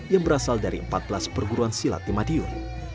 yang berasal dari empat belas perguruan silat di madiun